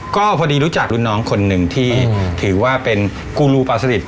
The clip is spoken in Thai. ก็พอดีรู้จักรุ่นน้องคนหนึ่งที่ถือว่าเป็นกูรูปลาสลิด